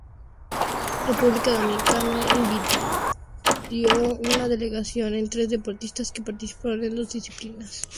República Dominicana envió una delegación de tres deportistas que participaron en dos disciplinas.